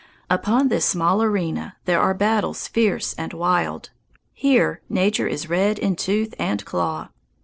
Upon this small arena there are battles fierce and wild; here nature is "red in tooth and claw."